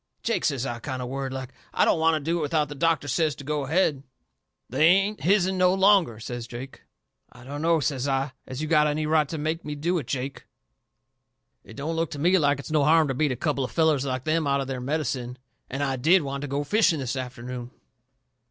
"Jake," says I, kind of worried like, "I don't want to do it without that doctor says to go ahead." "They ain't his'n no longer," says Jake. "I dunno," says I, "as you got any right to make me do it, Jake. It don't look to me like it's no harm to beat a couple of fellers like them out of their medicine. And I DID want to go fishing this afternoon."